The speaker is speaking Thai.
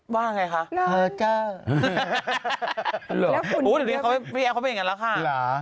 ว่าไงคะโอ้วพี่แอมป์เข้าไปยังไงแล้วค่ะ